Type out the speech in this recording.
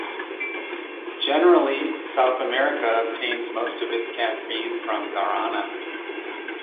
Generally, South America obtains most of its caffeine from guarana.